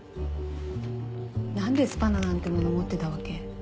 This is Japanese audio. なんでスパナなんてもの持ってたわけ？